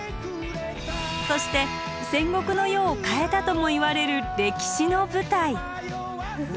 そして戦国の世を変えたともいわれる歴史の舞台。